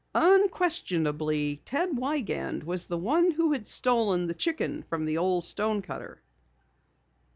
Unquestionably, Ted Wiegand was the one who had stolen the chicken from the old stonecutter!